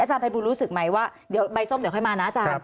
อาจารย์อบรู้สึกมั้ยว่าเดี๋ยวใบส้มเดี๋ยวค่อยมานะ